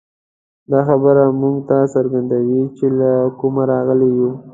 دا خبره موږ ته څرګندوي، چې له کومه راغلي یو.